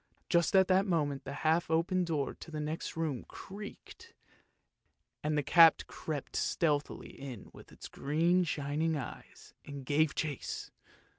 Just at that moment the half open door to the next room creaked, and the cat crept stealthily in with green shining eyes, and gave chase.